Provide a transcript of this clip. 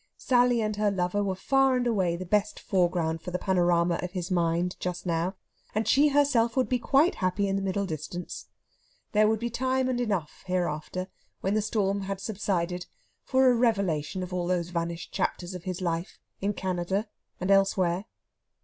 Sally and her lover were far and away the best foreground for the panorama of his mind just now, and she herself would be quite happy in the middle distance. There would be time and enough hereafter, when the storm had subsided, for a revelation of all those vanished chapters of his life in Canada and elsewhere.